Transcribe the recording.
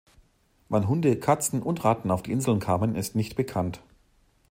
Wann Hunde, Katzen und Ratten auf die Inseln kamen, ist nicht bekannt.